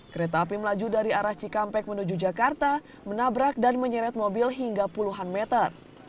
kereta api melaju dari arah cikampek menuju jakarta menabrak dan menyeret mobil hingga puluhan meter